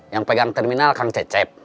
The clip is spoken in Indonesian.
yang pegang terminal kang cecep